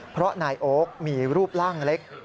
เพราะนายโอ๊คมีรูปร่างเล็ก